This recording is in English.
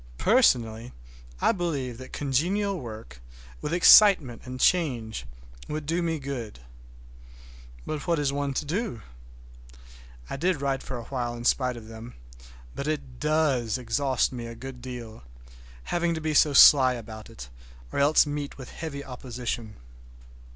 Personally, I believe that congenial work, with excitement and change, would do me good. But what is one to do? I did write for a while in spite of them; but it does exhaust me a good deal—having to be so sly about it, or else meet with heavy opposition.